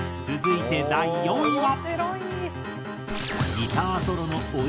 続いて第４位は。